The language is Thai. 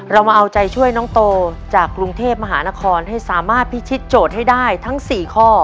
เรามาเอาใจช่วยน้องโตจากกรุงเทพมหานครให้สามารถพิชิตโจทย์ให้ได้ทั้ง๔ข้อ